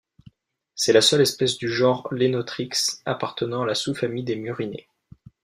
C'est la seule espèce du genre Lenothrix, appartenant à la sous-famille des Murinés.